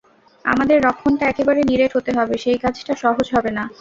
আমাদের রক্ষণটা একেবারে নিরেট হতে হবে, সেই কাজটা সহজ হবে না।